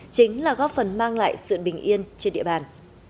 chính là góp phần mang lại sự bình yên trên địa bàn